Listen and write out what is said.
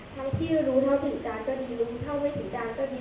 ท่านที่จะรู้เท่าไปถึงกันก็จะรู้เท่าไม่ถึงกันก็ได้